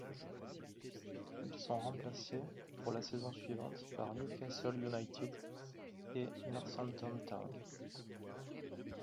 Ils sont remplacés pour la saison suivante par Newcastle United et Northampton Town.